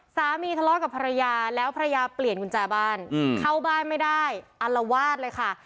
สามีทะเลาะกับภรรยาแล้วภรรยาเปลี่ยนกุญแจบ้านเข้าบ้านไม่ได้อัลวาดเลยค่ะ